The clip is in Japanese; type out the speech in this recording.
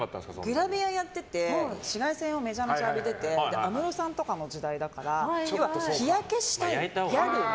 グラビアやってて紫外線をめちゃめちゃ浴びてて安室さんとかの時代だから日焼けしたい、ギャル。